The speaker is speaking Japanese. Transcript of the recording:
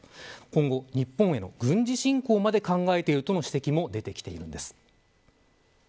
今後、日本への軍事侵攻まで考えているとの指摘も出てきています。